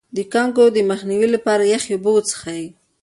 د کانګو د مخنیوي لپاره یخې اوبه وڅښئ